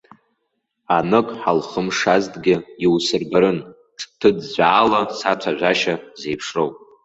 Анык ҳалхымшазҭгьы, иусырбарын ҿҭыӡәӡәаала сацәажәашьа зеиԥшроу!